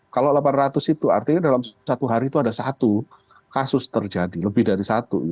kalau delapan ratus itu artinya dalam satu hari itu ada satu kasus terjadi lebih dari satu